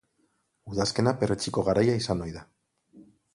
Udazkena perretxiko garaia izan ohi da.